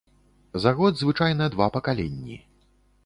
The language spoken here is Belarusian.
За год звычайна два пакаленні.